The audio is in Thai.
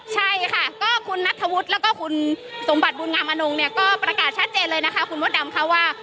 ใช่ค่ะก็คุณนัทธวุฒิแล้วก็คุณสมบัติบุญงามอนงเนี่ยก็ประกาศชัดเจนเลยนะคะคุณมดดำค่ะว่า